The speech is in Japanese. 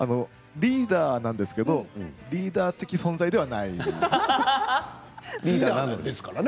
リーダーなんですけどリーダー的存在ではないんです。